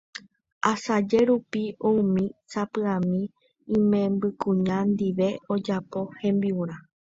Asaje rupi oúmi sapy'ami imembykuñami ndive ojapo hembi'urã